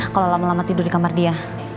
kalau lama lama tidur di kamar dia